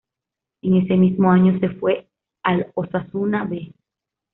En ese mismo año se fue al Osasuna "B".